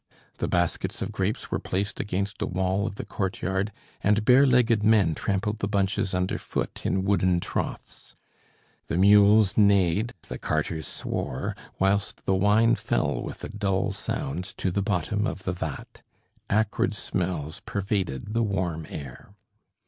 The baskets of grapes were placed against a wall of the courtyard, and bare legged men trampled the bunches under foot in wooden troughs. The mules neighed, the carters swore, whilst the wine fell with a dull sound to the bottom of the vat. Acrid smells pervaded the warm air.